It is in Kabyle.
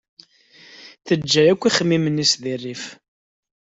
Teǧǧa akk ixemmimen-ines di rrif.